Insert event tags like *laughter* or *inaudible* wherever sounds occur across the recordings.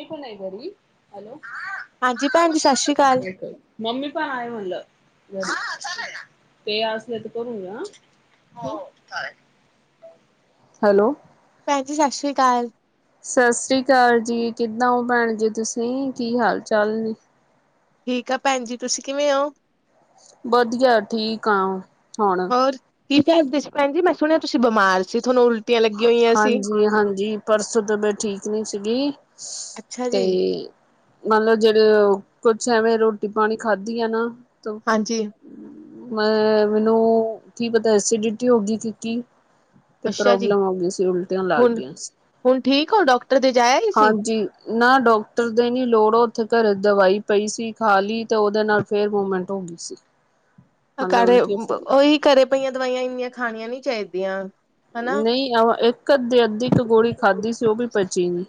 ਏ ਕੋਣ ਹੈ ਗਰੀ? ਹੈਲੋ ਹਾਂਜੀ ਭੈਣ ਜੀ, ਸਤਿ ਸ਼੍ਰੀ ਅਕਾਲ। ਮੰਮੀ, ਪਾਣੀ ਵਾਲੇ ਮਾਲ 'ਤੇ ਆਓ, ਫਿਰ ਕਰਾਂਗਾ। ਹੈਲੋ। ਭੈਣ ਜੀ, ਸਤਿ ਸ਼੍ਰੀ ਅਕਾਲ! ਸਤਿ ਸ੍ਰੀ ਅਕਾਲ ਜੀ, ਕਿੱਦਾਂ ਹੋ ਭੈਣ ਜੀ ਤੁਸੀਂ, ਕੀ ਹਾਲ ਚਾਲ ਜੀ। ਠੀਕ ਆ ਭੈਣ ਜੀ, ਤੁਸੀਂ ਕਿਵੇਂ ਹੋ? ਵਧੀਆ, ਠੀਕ ਆ ਹੁਣ। ਕੀ ਗੱਲ ਸੀ, ਭੈਣ ਜੀ? ਮੈਂ ਸੁਣਿਆ ਸੀ ਕਿ ਤੁਸੀਂ ਬਿਮਾਰ ਸੀ, ਤੁਹਾਨੂੰ ਉਲਟੀਆਂ ਲੱਗੀਆਂ ਹੋਈਆਂ ਸਨ। ਹਾਂਜੀ ਹਾਂਜੀ ਪਰਸੋਂ ਤੋਂ ਮੈਂ ਠੀਕ ਨਹੀਂ ਸੀ ਗੀ ਅੱਛਾ ਜੀ, ਤੇ, ਮਤਲਬ, ਜਿਹੜਾ ਵੀ ਕੁਝ ਰੋਟੀ-ਪਾਣੀ ਖਾਧਾ ਸੀ ਨਾ, ਹਾਂਜੀ ਮੈਨੂੰ ਕੀ ਪਤਾ, ਐਸਿਡਿਟੀ ਹੋ ਗਈ ਹੋਵੇਗੀ। ਅੱਛਾ ਸ਼ਾਇਦ ਜੀ, ਐਸਿਡਿਟੀ ਹੋ ਗਈ ਸੀ, ਇਸ ਕਰਕੇ ਉਲਟੀਆਂ ਲੱਗ ਹੁਣ ਗਈਆਂ ਸਨ। ਹੁਣ ਠੀਕ ਹੋ ਡਾਕਟਰ ਦੇ ਜਾਇਆ ਹੀ ਹਾਂ ਸੀ? ਜੀ ਨਾ, ਡਾਕਟਰ ਦੀ ਲੋੜ ਨਹੀਂ ਪਈ। ਘਰ ਵਿੱਚ ਦਵਾਈ ਪਈ ਹੋਈ ਸੀ, ਉਹ ਖਾ ਲਈ। ਉਸ ਤੋਂ ਬਾਅਦ ਮੂਵਮੈਂਟ ਹੋ ਗਈ ਸੀ। ਹਾਂ ਮਤਲਬ ਜੀ, ਉਲਟੀਆਂ ਫੇਰ ਲੱਗ ਉਹੀ ਤਾਂ ਘਰ ਪਈਆਂ ਦਵਾਈਆਂ ਇੰਝ ਆਪਣੇ ਆਪ ਨਹੀਂ ਖਾਣੀਆਂ ਚਾਹੀਦੀਆਂ। ਹਨਾ। ਨਹੀਂ, ਅੱਧੀ ਗੋਲੀ ਹੀ ਖਾਧੀ ਸੀ, ਪਰ ਉਹ ਵੀ ਪਚੀ ਨਹੀਂ।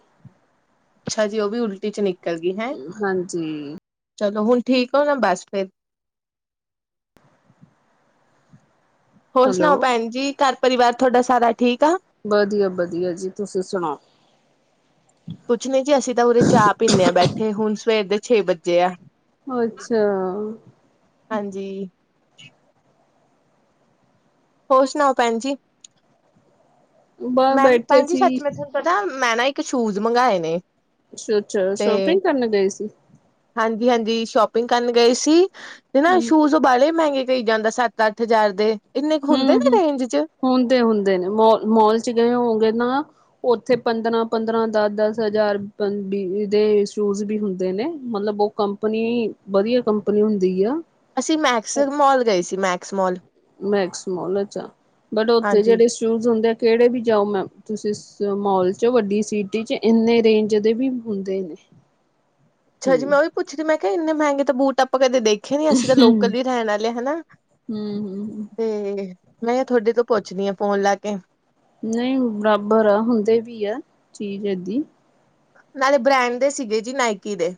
ਅੱਛਾ ਜੀ ਉਹ ਵੀ ਉਲਟੀ ਚ ਨਿਕਲ ਗਈ ਹੈਂ, ਹਾਂਜੀ। ਚਲੋ, ਹੁਣ ਠੀਕ ਓ, ਹੁਣ ਬੱਸ ਫਿਰ ਹੋਰ ਸੁਣਾਓ ਹੈਲੋ ਭੈਣ ਜੀ, ਘਰ ਪਰਿਵਾਰ ਤੁਹਾਡਾ ਸਾਰਾ ਠੀਕ ਆ? ਬਧੀਆ-ਬਧੀਆ ਜੀ, ਤੁਸੀਂ ਸੁਣਾਓ? *inaudible* ਕੁਝ ਨਹੀਂ ਜੀ, ਅਸੀਂ ਤਾਂ ਉਰੇ ਚਾਹ ਪੀਨੇ ਆ ਬੈਠੇ, ਹੁਣ ਸਵੇਰ ਦੇ ਛੇ ਵੱਜੇ ਐ। ਅੱਛਾ। ਹਾਂਜੀ। ਹੋਰ ਸੁਣਾਓ ਭੈਣ ਜੀ? ਬਾਹਰ ਮੈਮ, ਬੈਠੇ ਭੈਣ ਜੀ ਸੀ ਸੱਚ ਮੈਂ ਤੁਹਾਨੂੰ ਪਤਾ, ਮੈਂ ਨਾ ਇੱਕ ਸ਼ੂਜ ਮੰਗਾਏ ਨੇ ਅੱਛਾ-ਅੱਛਾ ਤੇ ਸ਼ਾਪਿੰਗ ਕਰਨ ਗਏ ਸੀ? ਹਾਂਜੀ-ਹਾਂਜੀ, ਸ਼ੋਪਿੰਗ ਕਰਨ ਗਏ ਸੀ, ਤੇ ਨਾ ਹਮ ਸ਼ੂਜ਼ ਓ ਬਾਹਲ਼ੇ ਮਹਿੰਗੇ ਕਹੀ ਜਾਂਦਾ ਸੱਤ-ਅੱਠ ਹਜ਼ਾਰ ਦੇ, ਇੰਨੇ ਕੁ ਹੁੰਦੇ ਵੀ ਹੂੰ-ਹੂੰ ਨੇ ਰੇਂਜ 'ਚ। ਹੁੰਦੇ-ਹੁੰਦੇ ਨੇ, ਮੋਲ-ਮੋਲ 'ਚ ਗਏ ਹੋਵੋਗੇ ਨਾ? ਉੱਥੇ ਪੰਦਰਾਂ-ਪੰਦਰਾ, ਦਸ-ਦਸ ਹਜ਼ਾਰ, ਪ ਵੀਹ ਦੇ ਸ਼ੂਜ਼ ਵੀ ਹੁੰਦੇ ਨੇ, ਮਤਲਬ ਓ ਕੰਪਨੀ, ਵਧੀਆ ਕੰਪਨੀ ਹੁੰਦੀ ਆ। ਅਸੀਂ ਮੈਕਸਸ ਮੋਲ ਗਏ ਸੀ, ਮੈਕਸ ਮੋਲ ਮੈਕਸ ਮਾਲ 'ਚ, ਬਟ ਉੱਥੇ ਹਾਂਜੀ। ਜਿਹੜੇ ਸ਼ੂਜ ਹੁੰਦੇ ਕਿਹੜੇ ਵੀ ਜਾਓ, ਮੈਂ ਤੁਸੀਂ ਮੋਲ 'ਚ ਵੱਡੀ ਸੀਟੀ 'ਚ ਇਨੇ ਰੇਂਜ ਦੇ ਵੀ ਹੁੰਦੇ ਨੇ। ਅੱਛਾ ਹੂੰ ਜੀ, ਮੈਂ ਉਹੀ ਪੁੱਛ ਦੀ ਮੈਂ ਕਿਹਾ, ਇੰਨੇ ਮਹਿੰਗੇ ਤਾਂ ਬੂਟ ਕਦੇ ਦੇਖੇ ਨੀ, ਅਸੀਂ ਤਾਂ ਲੋਕਲ ਹੂੰ-ਹੂੰ ਜੇ ਲੈਣ ਆਲੇ ਹਨਾ ਤੇ ਮੈਂ ਤੁਹਾਡੇ ਤੋਂ ਪੁੱਛਦੀ ਆ, ਫੋਨ ਲਾ ਕੇ। ਨਹੀਂ ਬਰਾਬਰ ਆ, ਹੁੰਦੇ ਵੀ ਆ, ਚੀਜ਼ ਏਦੀ ਨਾਲੇ ਬਰੈਂਡ ਦੇ ਸੀਗੇ ਜੀ, ਨਾਇਕੀ ਦੇ।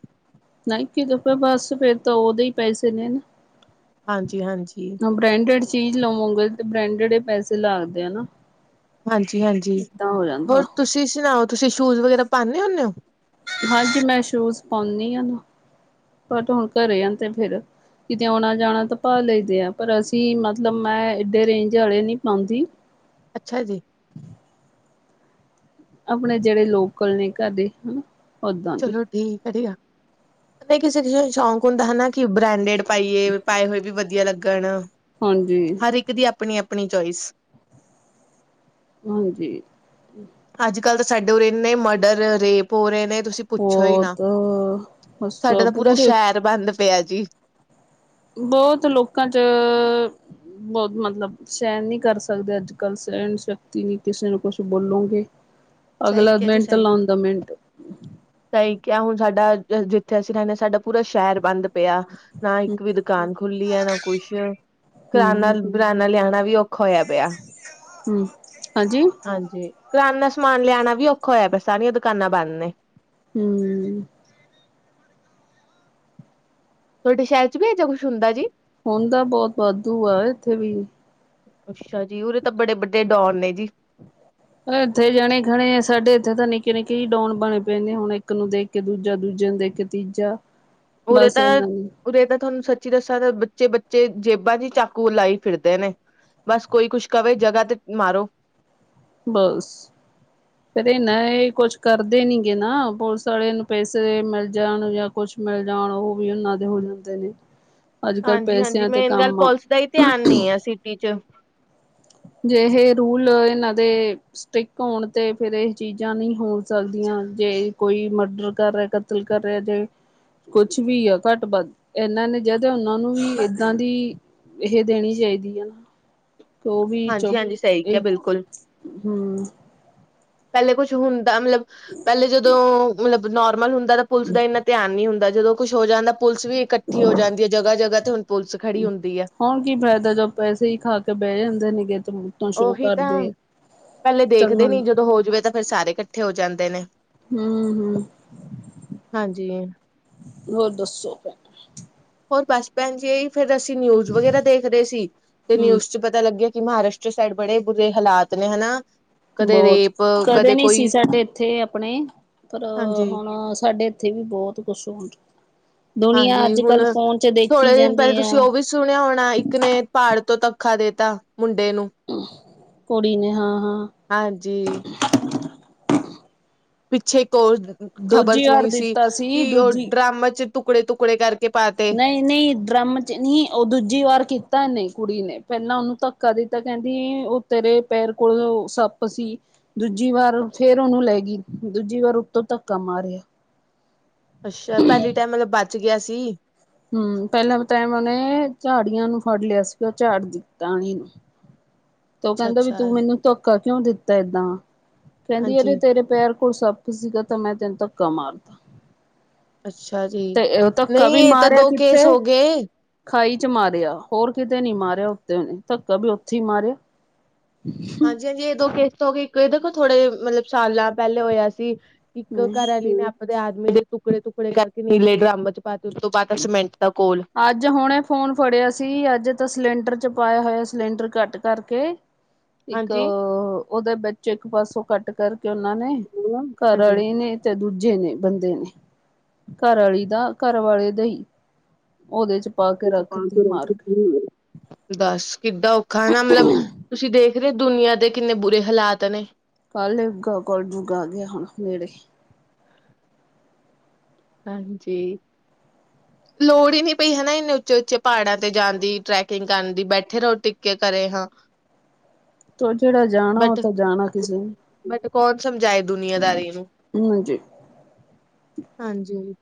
ਨਾਇਕੀ ਦੇ ਤੇ ਬਸ, ਫਿਰ ਤਾਂ ਉਹਦੇ ਈ ਪੈਸੇ ਨੇ। ਹਾਂਜੀ-ਹਾਂਜੀ। ਹੁਣ ਬਰੈਂਡਡ ਚੀਜ਼ ਲਵੋਗੇ ਤੇ ਬਰੈਂਡਡ ਈ ਪੈਸੇ ਲੈਣਗੇ ਨਾ ਹਾਂਜੀ-ਹਾਂਜੀ, ਏਦਾਂ ਹੋ ਜਾਂਦਾ ਹੋਰ ਤੁਸੀਂ ਸੁਣਾਓ, ਤੁਸੀਂ ਸ਼ੂਜ ਵਗੈਰਾ ਪਾਨੇ ਹੁੰਨੇ ਓ? ਹਾਂਜੀ ਮੈਂ ਸ਼ੂਜ ਪਾਉਂਨੀ ਆ ਨਾ, ਬਟ ਹੁਣ ਘਰੇ ਆ ਤੇ ਫਿਰ ਕਿਤੇ ਆਉਣਾਂ-ਜਾਣਾ ਤੇ ਪਾ ਲ‌ਈਦੇ ਆ, ਪਰ ਅਸੀਂ ਮਤਲਬ ਮੈਂ ਇਡੇ ਰੇਂਜ ਵਾਲੇ ਨੀ ਪਾਉਂਦੀ। ਅੱਛਾ ਜੀ। ਆਪਣੇ ਜਿਹੜੇ ਲੋਕਲ ਨੇ, ਕਦੇ ਉਦਾਂ ਦੇ ਚਲੋ ਠੀਕ ਵਧੀਆ, ਨਹੀਂ ਕਿਸੇ-ਕਿਸੇ ਨੂੰ ਸ਼ੌਂਕ ਹੁੰਦਾ ਹਨਾ ਕਿ ਬਰੈਂਡਡ ਪਾਈਏ, ਪਾਏ ਹੋਏ ਵੀ ਵਧੀਆ ਲੱਗਣ, ਹਾਂਜੀ। ਹਰ ਇੱਕ ਦੀ ਆਪਣੀ-ਆਪਣੀ ਚੋਇਸ ਹਾਂਜੀ। ਅੱਜ-ਕੱਲ੍ਹ ਤੇ ਸਾਡੇ ਉਰੇ ਇੰਨੇ ਮਰਡਰ, ਰੇਪ ਹੋ ਰਹੇ ਨੇ, ਤੁਸੀਂ ਪੁੱਛੋ ਈ ਨਾ, ਬਹੁਤ ਬਸ ਸਾਡੇ ਤਾਂ ਪੂਰਾ ਪੂਰੇ ਸ਼ਹਿਰ ਬੰਦ ਪਿਆ ਜੀ। ਬਹੁਤ ਲੋਕਾਂ 'ਚ ਬਹੁਤ ਮਤਲਬ ਸਹਿਣ ਨਹੀਂ ਕਰ ਸਕਦੇ ਅੱਜ-ਕੱਲ੍ਹ, ਸਹਿਣ ਸ਼ਕਤੀ ਨੀ ਕਿਸੇ ਨੂੰ ਕੁਛ ਬੋਲੋਗੇ *inaudible* ਅਗਲਾ ਜੀ ਮਿੰਟ ਸਹੀ ਲਾਉਂਦਾ, ਮਿੰਟ ਸਹੀ ਕਿਹਾ ਹੁਣ, ਸਾਡਾ ਜਿੱਥੇ ਅਸੀਂ ਰਹਿੰਨੇ, ਸਾਡਾ ਪੂਰਾ ਸ਼ਹਿਰ ਬੰਦ ਪਿਆ, ਨਾ ਹਮ ਇੱਕ ਵੀ ਦੁਕਾਨ ਖੁੱਲੀ ਐ, ਨਾ ਕੁਛ ਏ। ਕਰਾਨਾ ਹਮ ਕਰਿਆਨਾ ਲਿਆਉਣਾ ਵੀ ਔਖਾ ਹੋਇਆ ਪਿਆ, ਹਮ ਹਾਂਜੀ ਹਾਂਜੀ। ਕਰਾਨੇ ਦਾ ਸਮਾਨ ਲਿਆਣਾ ਵੀ ਔਖਾ ਹੋਇਆ ਪਯਾ ਸਾਰੀਆਂ ਦੁਕਾਨਾਂ ਬੰਦ ਨੇ। ਹੂੰ। ਤੁਹਾਡੇ ਸ਼ਹਿਰ ਚ ਨੀ ਐਹੋ ਜਿਹਾ ਕੁੱਛ ਹੁੰਦਾ ਜੀ? ਹੁਣ ਤਾਂ ਬੋਤ ਵਾਧੂ ਆ, ਐਥੇ ਵੀ ਅੱਛਾ ਜੀ। ਓਰੇ ਤਾਂ ਬੜੇ ਬਡੇ ਡੋਨ ਨੇ ਜੀ। ਇੱਥੇ ਜਣੇ-ਖਣੇ ਸਾਡੇ ਇੱਥੇ ਤਾਂ ਨਿੱਕੇ-ਨਿੱਕੇ ਹੀ ਡੋਨ ਬਣੇ ਪਏ ਨੇ, ਹੁਣ ਇੱਕ ਨੂੰ ਦੇਖ ਇੱਕ ਦੂਜਾ ਦੂਜੇ ਨੂੰ ਦੇਖ ਕੇ ਤੀਜਾ ਕਿ ਓਰੇ ਤਾਂ ਉਰੇ ਤਾਂ ਤੁਹਾਨੂੰ ਸੱਚੀ ਦੱਸਾਂ ਤਾਂ ਬੱਚੇ-ਬੱਚੇ ਜੇਬਾਂ ਚ ਚਾਕੂ ਲਾਈ ਫਿਰਦੇ ਨੇ। ਬਸ ਕੋਈ ਕੁਛ ਕਵੇ, ਜਗ੍ਹਾ ਤੇ ਮਾਰੋ। ਬਸ। ਫਿਰ ਇਹ ਨਾ ਇਹ ਕੁਛ ਕਰਦੇ ਨੀ ਗੇ ਨਾ। ਪੁਲਿਸ ਵਾਲੇ ਨੂੰ ਪੈਸੇ ਮਿਲ ਜਾਣ ਜਾਂ- ਕੁਛ ਮਿਲ ਜਾਣ, ਉਹ ਵੀ ਉਹਨਾਂ ਦੇ ਹੋ ਜਾਂਦੇ ਨੇ। ਅੱਜ ਕੱਲ੍ਹ ਹਾਂਜੀ-ਹਾਂਜੀ। ਪੈਸਿਆਂ ਤੇ ਮੇਨ ਗੱਲ ਕੰਮ ਆ ਪੋਲਸ ਦਾ ਹੀ ਧਿਆਨ ਨੀ ਐ ਸਿਟੀ ਚ। ਜਿਹੇ ਰੂਲ ਏਨਾਂ ਦੇ ਸਟਿਕ ਹੋਣ ਤੇ ਫੇਰ ਇਹ ਚੀਜ਼ਾਂ ਨਹੀਂ ਹੋ ਸਕਦੀਆਂ, ਜੇ ਕੋਈ ਮਰਡਰ ਕਰ ਰਿਹਾ ਕਤਲ ਕਰ ਰੇਹਾ ਜੇ ਕੁਛ ਵੀ ਆ ਕੱਟ-ਬਧ ਇਹਨਾਂ ਨੇ ਜਦ ਓਨਾਂ ਨੂੰ ਵੀ ਏਦਾਂ ਦੀ ਇਹ ਦੇਣੀ ਚਾਹੀਦੀ ਆ ਸੌਪ ਹਾਂਜੀ-ਹਾਂਜੀ। ਸਹੀ ਕੇਹਾ ਬਿਲਕੁਲ ਹੂੰ। ਪੈਲੇ ਕੁੱਛ ਹੁੰਦਾ, ਮਤਲਬ ਪੈਲੇ ਜਦੋਂ ਮਤਲਬ ਨੋਰਮਲ ਹੁੰਦਾ ਤਾ ਪੁਲਸ ਦਾ ਏਨਾ ਧਿਆਨ ਨੀ ਹੁੰਦਾ, ਜਦੋਂ ਕੁੱਛ ਹੋ ਜਾਂਦਾ ਪੁਲਸ ਵੀ ਇਕੱਠੀ ਹੋ ਜਾਂਦੀ ਐ। ਜਗ੍ਹਾ-ਜਗ੍ਹਾ ਤੇ ਹੁਣ ਪੁਲਸ ਖੜੀ ਹੁੰਦੀ ਐ। ਹੁਣ ਕੀ ਫ਼ਾਇਦਾ ਜਦੋਂ ਪੈਸੇ ਈ ਖਾ ਕੇ ਬੈ ਜਾਂਦੇ ਨੇਗੇ ਤੇ ਸ਼ੋਅ ਓਹੀ ਤਾਂ ਕਰਦੇ ਆ ਪੈਲੇ ਦੇਖਦੇ ਚੰਗਾ ਨੀ, ਜਦੋਂ ਹੋ ਜਵੇ ਤਾਂ ਫਿਰ ਸਾਰੇ ਕੱਠੇ ਹੋ ਜਾਂਦੇ ਨੇ। ਹੂੰ-ਹੂੰ। ਹਾਂਜੀ। ਹੋਰ ਦੱਸੋ? ਹੋਰ ਬਸ ਪੈਣ ਜੀ, ਫਿਰ ਅਸੀਂ ਨਿਊਜ਼ ਵਗੈਰਾ ਦੇਖਦੇ ਸੀ ਤੇ ਨਿਊਜ ਚ ਹੂੰ ਪਤਾ ਪਤਾ ਲੱਗਿਆ ਕਿ ਮਹਾਰਾਸ਼ਟਰ ਸਾਈਡ ਬੜੇ ਬੁਰੇ ਹਾਲਾਤ ਨੇ ਹੈਨਾ ਬੋਹਤ ਕਦੇ ਨਹੀ ਸੀ, ਸਾਡੇ ਐਥੇ ਅਪਣੇ ਪਰ ਹਾਂਜੀ। ਹੁਣ ਸਾਡੇ ਉੱਥੇ ਵੀ ਬੋਹਤ ਕੁਛ ਹੋ ਰੇਹਾ ਦੁਨੀਆਂ ਹਾਂਜੀ ਹੁਣ ਅੱਜ-ਕੱਲ ਫੋਨ ਚ ਦੇਖੀ ਥੋੜੇ ਦਿਨ ਪਹਿਲੇ ਜਾਂਦੀ ਆ। ਤੁਸੀਂ ਉਹ ਵੀ ਸੁਣਿਆ ਹੋਣਾ, ਇੱਕ ਨੇ ਪਾੜ ਤੋਂ ਧੱਖਾ ਦੇਤਾ ਮੁੰਡੇ ਨੂੰ ਕੁੜੀ ਨੇ ਹਾਂ-ਹਾਂ। ਹਾਂਜੀ। ਪਿੱਛੇ ਇੱਕ ਔਰ ਖ਼ਬਰ ਦੂਜੀ ਵਾਰ ਸੁੁਣੀ ਸੀ, ਦਿੱਤਾ ਕਿ ਉਹ ਦੂਜੀ ਡਰੱਮ ਚ ਤੁਕੜੇ-ਤੁਕੜੇ ਕਰਕੇ ਪਾ ਤੇ ਨਹੀਂ ਡਰਮ ਚ ਨਈ ਉਹ ਦੂਜੀ ਵਾਰ ਕੀਤਾ ਏਨੇ ਕੁੜੀ ਨੇ ਪੈਲਾਂ ਓਨੂੰ ਧੱਕਾ ਦਿੱਤਾ ਕਹਿੰਦੀ ਓ ਤੇਰੇ ਪੈਰ ਕੋਲ ਸੱਪ ਸੀ। ਦੂਜੀ ਵਾਰ ਫੇਰ ਓਨੂੰ ਲੈ ਗੀ ਦੂਜੀ ਵਾਰ ਉਤੋਂ ਧੱਕਾ ਮਾਰਿਆ। ਅੱਛਾ ਪੈਲੀ ਟੈਮ ਮਤਲਬ ਬਚ ਗਯਾ ਸੀ। ਹੁੰ ਪਹਿਲਾਂ ਟੈਮ ਓਨੇ ਝਾੜੀਆਂ ਨੂੰ ਫੜ ਲਿਆ ਸੀਗਾ। ਓ ਝਾੜ ਦਿੱ ਟਾਣੀ ਓ ਕਹਿੰਦਾ ਵੀ ਤੂੰ ਅੱਛਾ-ਅੱਛਾ। ਮੈਨੂੰ ਧੋਖਾ ਕਿਉਂ ਦਿੱਤਾ ਏਦਾਂ ਕਹਿੰਦੀ ਐਵੀ ਹਾਂਜੀ ਤੇਰੇ ਪੈਰ ਕੋਲ ਸੱਪ ਸੀਗਾ, ਤਾਂ ਮੈਂ ਤੈਨੂੰ ਧੱਕਾ ਮਾਰਤਾ। ਅੱਛਾ ਜੀ ਤੇ ਉਹ ਧੱਕਾ ਨਹੀਂ ਵੀ ਇਹ ਤਾਂ ਮਾਰਿਆ ਦੋ ਕਿੱਥੇ, ਕੇਸ ਹੋ ਗਏ ਖਾਈ 'ਚ ਮਾਰਿਆ, ਹੋਰ ਕਿਤੇ ਨੀ ਮਾਰਿਆ, ਉੱਤੇਨ ਧੱਕਾ ਵੀ ਉੱਥੇ ਹੀ ਮਾਰਿਆ। ਹਾਂਜੀ ਹਾਂਜੀ, ਇਹ ਦੋ ਕਿਸ ਤੋਂ ਕੀ ਦੇਖੋ ਥੋੜੇ ਮਤਲਬ, ਸਾਲਾ ਪਹਿਲੇ ਹੋਇਆ ਸੀ। ਇੱਕ ਹੂੰ ਘਰਵਾਲੀ ਨੇ ਆਪਦੇ ਆਦਮੀ ਦੇ ਟੁਕੜੇ ਟੁਕੜੇ ਕਰਕੇ ਨੀਲੇ ਡਰੰਮ ਚ ਪਾਏ, ਉਸ ਤੋ ਬਾਅਦ ਸਮੈਟ ਦਾ ਕੋਲ, ਅੱਜ ਹੁਣੇ ਫੋਨ ਫੜਿਆ ਸੀ, ਅੱਜ ਤਾਂ ਸਿਲੰਡਰ 'ਚ ਪਾਇਆ ਹੋਇਆ ਸਿਲੰਡਰ ਘੱਟ ਕਰਕੇ, ਇੱਕ ਹਾਂਜੀ ਉਹਦੇ ਵਿੱਚ ਇੱਕ ਪਾਸੋਂ ਕੱਟ ਕਰਕੇ, ਉਹਨਾਂ ਨੇ ਘਰ ਹਾਂਜੀ ਵਾਲੀ ਨੇ ਤੇ ਦੂਜੇ ਨੇ ਬੰਦੇ ਨੇ, ਘਰਵਾਲੀ ਦਾ ਘਰ ਵਾਲੇ ਦਾ ਹੀ ਉਹਦੇ ਚ' ਪਾ ਕੇ ਰੱਖਤੀ ਮਾਰ ਕੇ, ਦੱਸ ਕਿੱਦਾਂ ਔਖਾ ਹੈ ਨਾ, ਮਤਲਬ ਤੁਸੀਂ ਦੇਖ ਰਹੇ ਦੁਨੀਆਂ ਦੇ ਕਿੰਨੇ ਬੁਰੇ ਹਾਲਾਤ ਨੇ ਕੱਲਗਾ ਕਲਜੁਗ ਆ ਗਿਆ, ਹੁਣ ਨੇੜੇ ਹਾਂਜੀ। ਲੋੜ ਹੀ ਨਹੀਂੀ ਪਈ ਹਨਾ, ਇੰਨੇ ਉੱਚੇ ਉੱਚੇ ਪਹਾੜਾਂ ਤੇ ਜਾਂਣ ਦੀ, ਟਰੈਕਿੰਗ ਕਰਨ ਦੀ, ਬੈਠੇ ਰਹੋ ਟਿੱਕੇ ਕੇ ਕਰੇ, ਹਾਂ ਹ ਤੋਂ ਜਿਹੜਾ ਜਾਣਾ ਉਹ ਬਟ ਤਾਂ ਜਾਣਾ ਕਿਸੇ ਨੇ ਬਟ ਕੌਣ, ਸਮਝਾਏ ਦੁਨੀਆਂਦਾਰੀ ਨੂੰ ਹਾਂਜੀ। ਹਾਂਜੀ,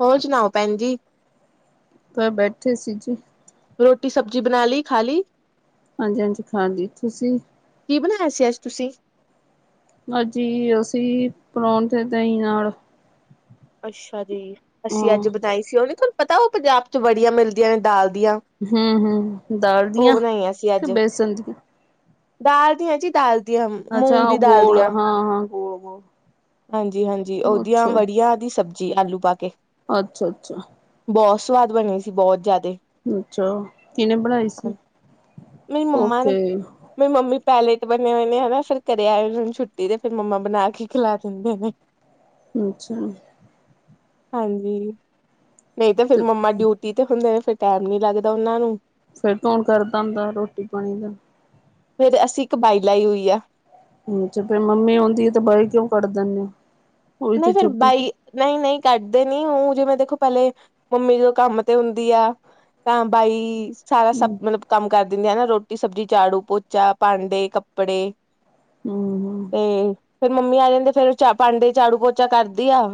ਹੋਰ ਸੁਣਾਓ ਭੈਣ ਜੀ ਬੈਠੇ ਸੀ ਜੀ ਰੋਟੀ ਸਬਜ਼ੀ ਬਣਾ ਲਈ, ਖਾ ਲਈ? ਹਾਂਜੀ ਹਾਂਜੀ, ਖਾ ਲਈ, ਤੁਸੀਂ? ਕੀ ਬਣਾਇਆ ਸੀ, ਅੱਜ ਤੁਸੀਂ? ਅੱਜ ਅਸੀਂ ਪਰਾਂਠੇ, ਦਹੀਂ ਨਾਲ ਅੱਛਾ ਜੀ, ਅਸੀਂ ਹਾਂ ਅੱਜ ੳਹ ਬਣਾਈ ਸੀ ਉਹਨ ਤੁਹਾਨੂੰ ਪਤਾ, ਉਹ ਪੰਜਾਬ ਚ' ਬੜੀਆਂ ਮਿਲਦੀਆਂ ਨੇ ਦਾਲ ਦੀਆਂ ਹਮ ਹਮ, ਦਾਲ ਉਹ ਦੀਆਂ, ਬਣਾਈਆਂ ਸੀ ਤੇ ਅੱਜ ਬੇਸਣ ਦੀਆ ਦਾਲ ਦੀਆਂ ਜੀ ਦਾਲ ਦੀਆਂ, ਮੂੰਗ ਅੱਛਾ ਉਹ ਦੀ ਦਾਲ ਗੋਲ ਦੀਆਂ। ਹਾਂ ਹਾਂ ਬੋ, ਹਾਂਜੀ ਹਾਂਜੀ, ਉਹਓਦੀਆਂ ਵੜਆ ਦੀ ਸਬਜ਼ੀ ਆਲੂ ਪਾ ਕੇ ਅੱਛਾ ਅੱਛਾ। ਬਹੁਤ ਸਵਾਦ ਬਣੇ ਸੀ, ਬਹੁਤ ਜਿਆਦਾ। ਅੱਛਾ ਕਿਹਨੇ ਬਣਾਈ ਸੀ? ਮੇਰੀ ਮੰਮਾ ਓਕੇ, ਨੇ ਮੇਰੀ ਮੰਮੀ ਪੈਲੇ ਬਣੇ ਹੋਏ ਨੇ ਹਨਾ, ਫਿਰ ਘਰੇ ਆਏੁ ਛੁੱਟੀ ਤੇ, ਫੇਿਰ ਮੰਮਾ ਬਣਾ ਕੇ ਖਲਾ ਦਿੰਦੇ ਨੇ। ਅੱਛਾ। ਹਾਂਜੀ, ਨਹੀਂ ਤਾਂ ਫੇਿਰ ਤੇ ਮੰਮਾ ਡਿਊਟੀ ਤੇ ਹੁੰਦੇ ਨੇ, ਫਿਰ ਟਾਈਮ ਨੀ ਲੱਗਦਾ ਉਹਨਾਂ ਨੂੰ, ਫੇਰ ਕੌਣ ਕਰਦਾ ਹੁੰਦਾ ਰੋਟੀ ਪਾਣੀ ਦਾ। ਅਸੀਂ ਇੱਕ ਬਾਈ ਲਾਈ ਹੋਈ ਆ। ਜਬ ਫਿਰ ਮੰਮੀ ਆਉਂਦੀ ਆ ਤੇ ਬਾਈ ਕਿਉਂ ਕੱਢ ਦਿੰਦੇ ਆ? ਨਹੀਂ, ਫਿਰ ਬਾਈ ਨਹੀਂ ਨਹੀਂ ਕੱਢਦੇ ਨੀ, ਉਹ ਜਿਵੇਂ ਦੇਖੋ ਪਹਿਲੇ ਮੰਮੀ ਤੋਂ ਕੰਮ ਤੇ ਹੁੰਦੀ ਆ। ਤਾਂ, ਬਾਈ ਸਾਰਾ ਸਭ ਹਮ ਮਤਲਬ ਕੰਮ ਕਰ ਦਿੰਦੀ ਹੈ ਨਾ, ਰੋਟੀ ਸਬਜ਼ੀ, ਝਾੜੂ ਪੋਚਾ, ਭਾਂਡੇ, ਕੱਪੜੇ ਹਮ ਹਮ ਤੇ ਫਿਰ ਮੰਮੀ ਆ ਜਾਂਦੇ, ਫਿਰ ਚਾਹ ਭਾਂਡੇ, ਝਾੜੂ-ਪੋਚਾ ਕਰਦੀ ਆਂ।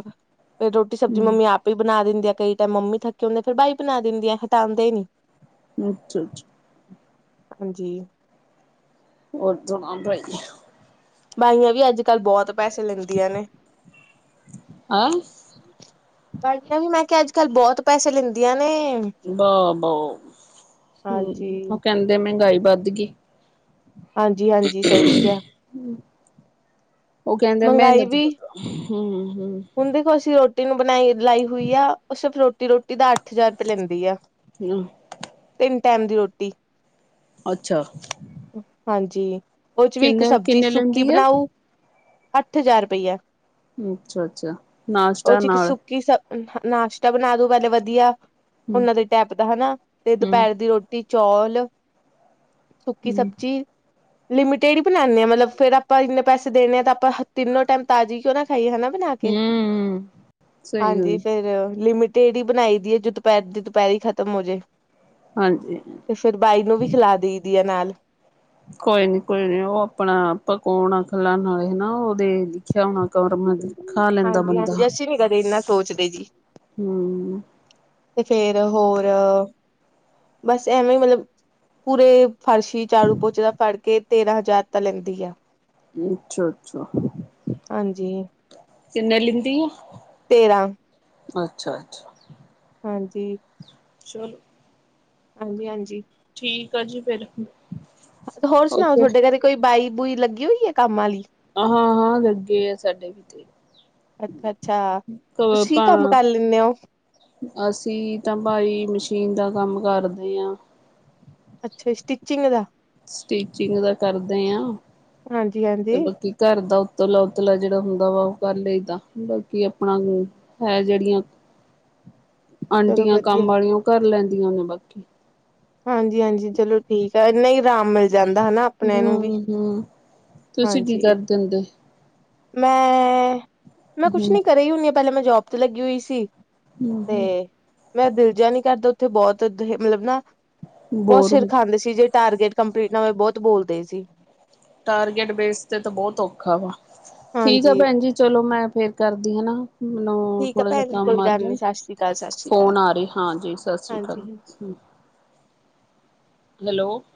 ਫੇਰ ਰੋਟੀ-ਸਬਜ਼ੀ ਹਮ ਮੰਮੀ ਆਪ ਹੀ ਬਣਾ ਦਿੰਦੀ ਆ, ਕਈ ਟਾਈਮ ਮੰਮੀ ਥੱਕੀ ਹੁੰਦੀ, ਫਿਰ ਬਾਈ ਬਣਾ ਦਿੰਦੀ ਆ, ਹਟਾਂਦੇ ਨੀਂ। ਅੱਛਾ, ਅੱਛਾ। ਹਾਂ ਜੀ। ਹੋਰ ਸੁਣਾ, ਬਾਈ। ਬਾਈਆਂ ਵੀ ਅੱਜ-ਕੱਲ੍ਹ ਬੋਤ ਪੈਸੇ ਲੈਂਦੀਆਂ ਨੇ। ਹੈਂ ਬਾਈਆਂ ਵੀ ਮੈਂ ਕਿਆ, ਅੱਜ-ਕੱਲ੍ਹ ਬੋਤ ਪੈਸੇ ਲੈਂਦੀਆਂ ਨੇ। ਵਾਓ ਬੋ, ਹਂ, ਹਾਂਜੀ, ਉਹ ਕਹਿੰਦੇ ਮਹਿੰਗਾਈ ਵੱਧ ਗਈ। *unintelligible* ਹਾਂਜੀ-ਹਾਂਜੀ ਸਹੀ ਕਿਹਾ ਉਹ ਕਹਿੰਦੇ ਮਹਿੰਗਾਈ ਮਿਹਨਤ *unintelligible* *unintelligible* ਵੀ ਹਂ, ਹਂ, ਹਂ। ਹੁਣ ਦੇਖੋ, ਅਸੀਂ ਰੋਟੀ ਨੂੰ ਬਣਾਈ ਲਾਈ ਹੋਈ ਆ, ਉਹ ਸਿਰਫ ਰੋਟੀ-ਰੋਟੀ ਦਾ ਅੱਠ ਹਜ਼ਾਰ ਰੁਪਏ ਲੈਂਦੀ ਆ। *unintelligible* ਤਿੰਨ ਟਾਈਮ ਦੀ ਰੋਟੀ। ਅੱਛਾ। ਹਾਂ ਜੀ, ਉਹਦੇ ਚ ਵੀ ਇੱਕ ਕਿੰਨੇ ਸਬਜ਼ੀ ਕਿੰਨੇ ਸੁੱਕੀ ਲੈਂਦੀ ਆ ਬਣਾਉ, ਅੱਠ ਹਜ਼ਾਰ ਰੁਪਈਆ। ਅੱਛਾ, ਅੱਛਾ ਉਹ ਨਾਸ਼ਟਾ ਚ ਇੱਕ ਨਾਲ। ਸੁੱਕੀ ਸ ਨਾਸ਼ਤਾ ਬਣਾ ਦੂ ਪਹਿਲੇ ਵਧੀਆ, ਹਮ ਉਹਨਾਂ ਦੇ ਟਾਈਪ ਦਾ ਹਣਾ, ਤੇ ਹਮ ਦੁਪਹਿਰ ਦੀ ਰੋਟ ਟੀ, ਚੌਲ ਸੁੱਕੀ ਹਮ ਸਬਜ਼ੀ। ਲਿਮਿਟਡ ਹੀ ਬਣਾਣੇ ਹਾਂ। ਮਤਲੱਬ ਆਪਾਂ ਇੰਨੇ ਪੈਸੇ ਦੇਣੇ ਹਾਂ, ਤਾਂ ਆਪਾਂ ਤਿੰਨੋਂ ਟਾਈਮ ਤਾਜ਼ੀ ਕਿਉਂ ਨਾ ਖਾਈਏ, ਹੈ ਨਾ? ਬਣਾ ਕੇ, ਹਮ ਹਾਂ ਸਹੀ ਜੀ, ਗੱਲ ਫਿਰ ਲਿਮਿਟ ਟੜੀ ਬਣਾਈਦੀ ਐ, ਜੋ ਦੁਪਹਿਰ ਦੀ, ਦੁਪਹਿਰੀ ਖ਼ਤਮ ਹੋ ਜਾਏ। ਹਾਂਜੀ ਤੇ ਫਿਰ ਬਾਈ ਨੂੰ ਵੀ ਖਿਲਾ ਦਿਦੀ ਐ, ਨਾਲ। ਕੋਈ ਨੀ, ਕੋਈ ਨੀ, ਉਹ ਆਪਣਾ ਪਕਾਉਣਾ ਖਾਲਾਨ ਆਲੇ ਉਹਦੇ ਲਿਖਿਆ ਹੋਣਾ, ਕਰ ਮ ਹਾਂਜੀ, ਹਾਂਜੀ। ਅਸੀਂ ਨ੍ਹੀਂ ਕਦੇ ਇੰਨਾ ਸੋਚਦੇ ਜੀ। ਹੂੰ ਤੇ ਫਿਰ ਹੋਰ, ਬੱਸ ਐਵੇਂ ਮਤਲਬ ਪੂਰੇ ਫਰਸ਼ੀ, ਝਾੜੂ-ਪੋਚਾ ਦਾ ਫੜ ਕੇ ਤੇਰਾਂ ਹਜ਼ਾਰ ਤਾਂ, ਲੈਂਦੀ ਆ। ਅੱਛਾ, ਅੱਛਾ। ਹਾਂ ਜੀ। ਕਿੰਨੇ ਲੈਂਦੀ ਆ। ਤੇਰਾਂ। ਅੱਛਾ, ਅੱਛਾ। ਹਾਂ ਜੀ। ਛਲੋ ਹਾਂਜੀ, ਹਾਂਜੀ। ਠੀਕ ਆ ਜੀ, ਫਿਰ। ਹੋਰ ਸੁਣਾਓ, ਓਕੇ ਤੁਹਾਡੇ ਘਰੇ ਕੋਈ ਬਾਈ-ਬੂਈ ਲੱਗੀ ਹੋਈ ਹੈ, ਕੰਮ ਵਾਲੀ? ਆਹਾ, ਆਹਾ। ਲੱਗੀ ਏ, ਸਾਡੇ ਇੱਥੇ, ਕ ਪਾ ਤਿੰਨੇ ਓ। ਅਸੀਂ ਤਾਂ ਭਾਈ ਮਸ਼ੀਨ ਦਾ ਕੰਮ ਕਰਦੇ ਆਂ। ਅੱਛਾ, ਸਟਿਚਿੰਗ ਦਾ? ਸਟਿਚਿੰਗ ਦਾ ਕਰਦੇ ਆਂ। ਹਾਂਜੀ, ਹਾਂਜੀ। ਤੇ ਬਾਕੀ ਘਰ ਦਾ ਉੱਤਲਾ-ਉੱਤਲਾ ਜਿਹੜਾ ਹੁੰਦਾ ਵਾ ਉਹ ਕਰ ਲਈਦਾ, ਬਾਕੀ ਆਪਣਾ ਹੈ ਜਿਹੜੀਆਂ *inaudible* ਅੰਟੀਆਂ ਵਧੀਆ। ਕੰਮ ਆਲੀਆਂ ਓ ਕਰ ਲੈਂਦੀਆਂ ਨੇ ਬਾਕੀ। ਹਾਂਜੀ-ਹਾਂਜੀ, ਚਲੋ ਠੀਕ ਆ ਐਨਾ ਈ ਅਰਾਮ ਮਿਲ ਜਾਂਦਾ ਹੈਨਾ ਆਪਣੇਆ ਨੂੰ ਵੀ। ਹੂੰ, ਤੁਸੀਂ ਕੀ ਹਾਂਜੀ। ਕਰਦੇ ਹੁੰਦੇ? ਮੈਂ, ਮੈਂ ਕੁਛ ਨੀ ਘਰੇ ਹੁੰਨੀ ਆ ਪੈਲੇ ਮੈਂ ਜੋਬ ਤੇ ਲੱਗੀ ਹੋਈ ਸੀ ਤੇ ਹੂੰ-ਹੂੰ-ਹੂੰ ਮੈਂ ਦਿਲ ਜਿਆ ਨੀ ਕਰਦਾ ਉੱਥੇ ਬੌਤ ਮਤਲਬ ਨਾ ਬੋਤ ਬੋਰ ਸਿਰ ਹੁੰ ਖਾਂਦੇ ਸੀ ਜੇ ਟਾਰਗੇਟ ਕੰਪਲੀਟ ਨਾ ਹੋਏ ਬੋਤ ਬੋਲਦੇ ਸੀ ਟਾਰਗੇਟ ਬੇਸ ਤੇ ਤਾਂ ਬੋਤ ਔਖਾ ਵਾ ਠੀਕ ਆ ਹਾਂਜੀ ਭੈਣ ਜੀ ਚਲੋ ਮੈਂ ਫੇਰ ਕਰਦੀ ਹਨਾ ਮੈਨੂੰ ਠੀਕ ਆ ਥੋੜ੍ਹਾ ਜਿਆ ਭੈਣ ਜੀ, ਕੋਈ ਕੰਮ ਗੱਲ ਨੀ ਅਰਜੈਂਟ ਸਤਿ ਸ੍ਰੀ ਅਕਾਲ, ਸਤਿ ਸ੍ਰੀ ਅਕਾਲ ਫੋਨ ਆ ਰਹੇ ਹਾਂਜੀ ਸਸ ਸ਼੍ਰੀ ਅਕਾਲ। ਹਾਂਜੀ-ਹਾਂਜੀ। ਹੈਲੋ